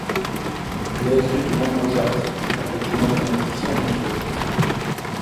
Il a écrit de nombreux articles avec des mathématiciens moscovites.